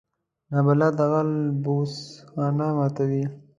نابلده غل بوس خانه ماتوي